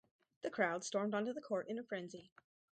The crowd stormed onto the court in a frenzy.